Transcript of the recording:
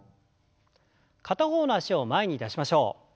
片方の脚を前に出しましょう。